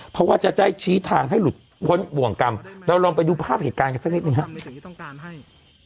เพราะว่าจะได้ชี้ทางให้หลุดพ้นบ่วงกรรมเราลองไปดูภาพเหตุการณ์กันสักนิดหนึ่งครับ